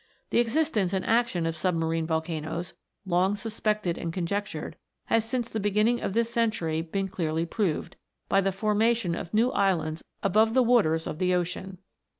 The existence and action of submarine volcanoes, long suspected and conjectured, has since the beginning of this century been clearly proved, by the formation of new islands above the waters of the ocean.